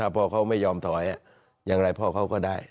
พ่อเขาไม่ยอมถอยอย่างไรพ่อเขาก็ได้